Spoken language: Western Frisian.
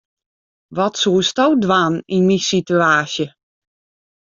Wat soesto dwaan yn myn situaasje?